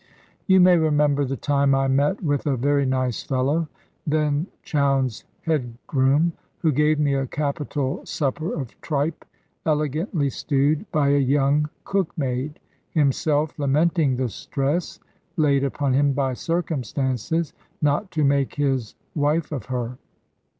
You may remember the time I met with a very nice fellow (then Chowne's head groom), who gave me a capital supper of tripe elegantly stewed by a young cook maid, himself lamenting the stress (laid upon him by circumstances) not to make his wife of her.